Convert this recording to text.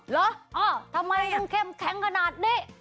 เหรอทำไมต้องแข่งขนาดนี้